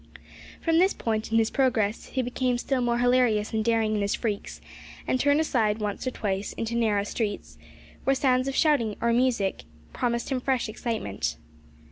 From this point in his progress, he became still more hilarious and daring in his freaks, and turned aside once or twice into narrow streets, where sounds of shouting or of music promised him fresh excitement.